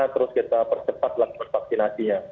terus kita percepat lakukan vaksinasinya